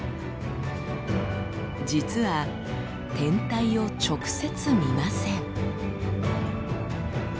実は天体を直接見ません。